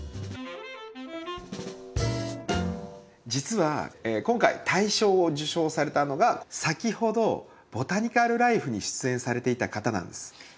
実は今回大賞を受賞されたのが先ほど「ボタニカル・らいふ」に出演されていた方なんです。